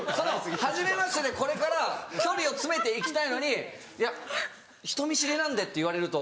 はじめましてでこれから距離を詰めて行きたいのに「いや人見知りなんで」って言われると。